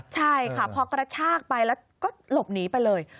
ใช่ค่ะพอกระชากไปแล้วก็หลบหนีไปเลย